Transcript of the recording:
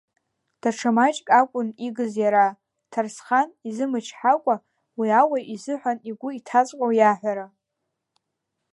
Даҽа маҷк акәын игыз иара, Ҭарсхан, изымычҳакәа, уи ауаҩ изыҳәан игәы иҭаҵәҟьоу иаҳәара.